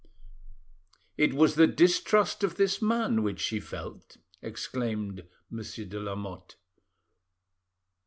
"It was the distrust of this man which she felt," exclaimed Monsieur de Lamotte.